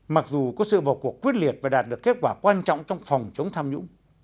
mặc dù có sự vào cuộc quyết liệt và đạt được kết quả quan trọng trong phòng chống tham nhũng